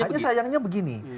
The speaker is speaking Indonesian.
hanya sayangnya begini